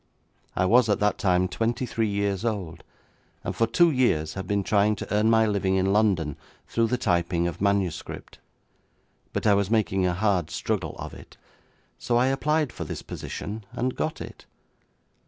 I was at that time twenty three years old, and for two years had been trying to earn my living in London through the typing of manuscript. But I was making a hard struggle of it, so I applied for this position and got it.